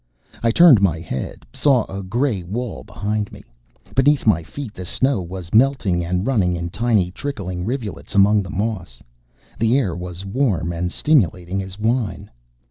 I turned my head, saw a gray wall behind me. Beneath my feet the snow was melting and running in tiny, trickling rivulets among the moss. The air was warm and stimulating as wine.